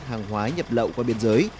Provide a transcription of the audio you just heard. hàng hóa nhập lậu qua biên giới